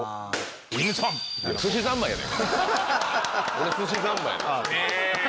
それすしざんまいや！ねぇ！